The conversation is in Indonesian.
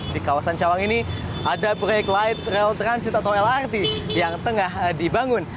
di kawasan cawang ini ada proyek light rail transit atau lrt yang tengah dibangun